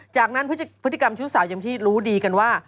จากนั้นพฤติกรรมชู้สาวอย่างที่รู้ดีกันว่า